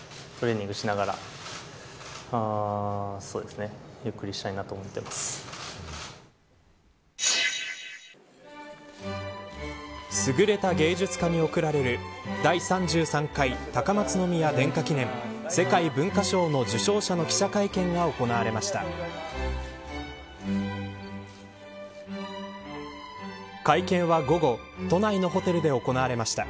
すぐれた芸術家に贈られる第３３回高松宮殿下記念世界文化賞の受賞者の記者会見が行われました。